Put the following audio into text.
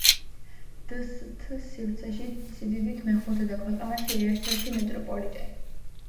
დსთ სივრცეში სიდიდით მეხუთე და ქვეყანაში ერთადერთი მეტროპოლიტენი.